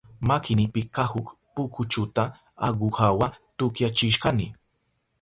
Makinipi kahuk pukuchuta aguhawa tukyachishkani.